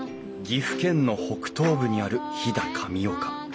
岐阜県の北東部にある飛騨神岡。